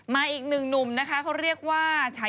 อีกหนึ่งหนุ่มนะคะเขาเรียกว่าใช้